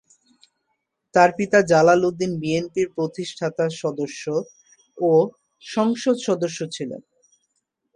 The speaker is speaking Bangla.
তার পিতা জালাল উদ্দিন বিএনপির প্রতিষ্ঠাতা সদস্য ও সংসদ সদস্য ছিলেন।